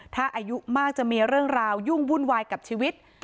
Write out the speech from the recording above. ถ้าอายุมากจะมีเรื่องราวยุ่งวุ่นวายกับชีวิต